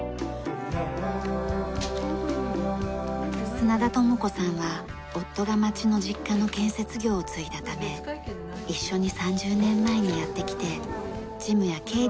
砂田智子さんは夫が町の実家の建設業を継いだため一緒に３０年前にやって来て事務や経理を手伝っています。